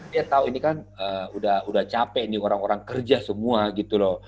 dia tahu ini kan udah capek nih orang orang kerja semua gitu loh